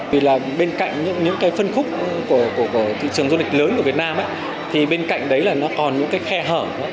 vì là bên cạnh những cái phân khúc của thị trường du lịch lớn của việt nam thì bên cạnh đấy là nó còn những cái khe hở